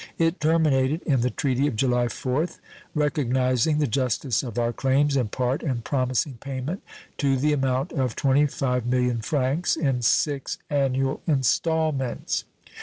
It terminated in the treaty of July 4th, recognizing the justice of our claims in part and promising payment to the amount of 25,000,000 francs in six annual installments.